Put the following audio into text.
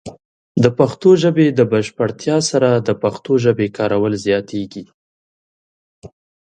د پښتو ژبې د بشپړتیا سره، د پښتو ژبې کارول زیاتېږي.